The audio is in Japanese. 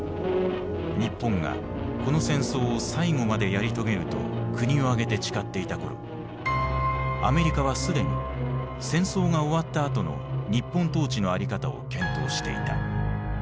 日本がこの戦争を最後までやり遂げると国を挙げて誓っていた頃アメリカは既に戦争が終わったあとの日本統治の在り方を検討していた。